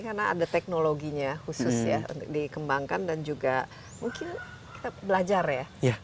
karena ada teknologinya khusus ya untuk dikembangkan dan juga mungkin kita belajar ya